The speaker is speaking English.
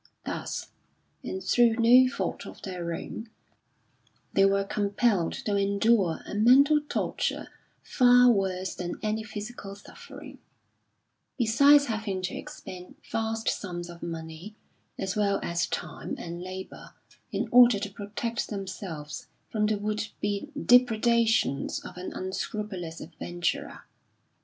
Thus, and through no fault of their own, they were compelled to endure a mental torture far worse than any physical suffering, besides having to expend vast sums of money, as well as time and labour, in order to protect themselves from the would be depredations of an unscrupulous adventurer.